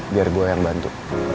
biar gue yang bantu